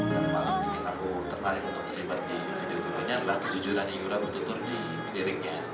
yang paling ingin aku tertarik untuk terlibat di video video ini adalah kejujuran yura bertutur di liriknya